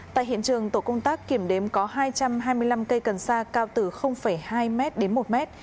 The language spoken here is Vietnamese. tại hiện trường tổ công tác kiểm đếm có hai trăm hai mươi năm cây cần sa cao từ hai m đến một mét